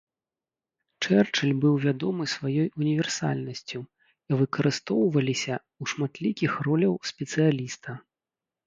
Чэрчыль быў вядомы сваёй універсальнасцю і выкарыстоўваліся ў шматлікіх роляў спецыяліста.